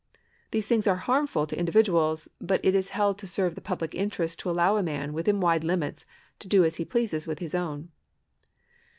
These things are harmful to individuals ; but it is held to serve the public interest to allow a man, within wide limits, to do as he pleases with his own.